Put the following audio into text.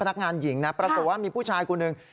นักงานหญิงนะปรากฏว่ามีผู้ชายคนหนึ่ง